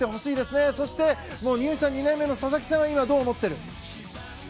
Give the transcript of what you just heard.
そして入社２年目の佐々木さんはどう思ってる？